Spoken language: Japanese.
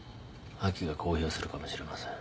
亜紀が公表するかもしれません。